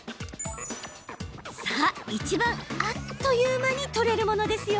さあ、いちばんあっという間に取れるものですよ。